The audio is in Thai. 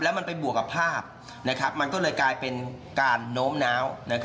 มันไปบวกกับภาพมันก็เลยกลายเป็นการโน้มน้าว